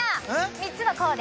３つのコーデ。